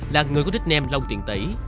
là người có nickname long tiền tỷ